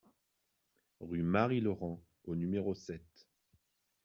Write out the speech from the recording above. Rue Marie Laurent au numéro sept